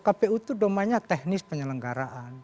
kpu itu domainnya teknis penyelenggaraan